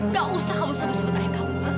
gak usah kamu seru seru tanya kamu